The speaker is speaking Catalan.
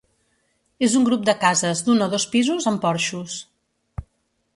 És un grup de cases d'un o dos pisos amb porxos.